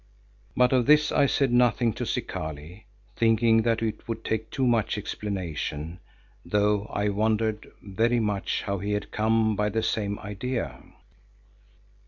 But of this I said nothing to Zikali, thinking that it would take too much explanation, though I wondered very much how he had come by the same idea.